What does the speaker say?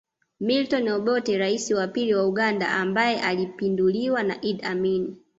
Milton Obote Rais wa pili wa Uganda ambaye alipinduliwa na Idi Amin